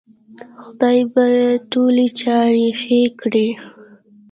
خدای به ټولې چارې ښې کړې